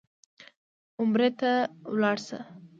عمرې ته لاړ شه.